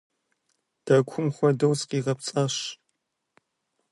Дэкум хуэдэу сыкъигъэпцӀащ.